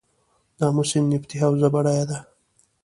د امو سیند نفتي حوزه بډایه ده؟